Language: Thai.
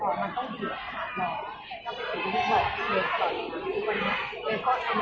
เวลาแรกพี่เห็นแวว